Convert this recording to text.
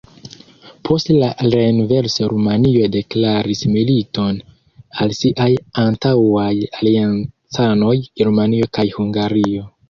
Post la renverso Rumanio deklaris militon al siaj antaŭaj aliancanoj Germanio kaj Hungario.